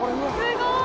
「すごい！」